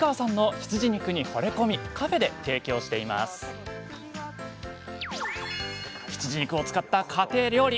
羊肉を使った家庭料理。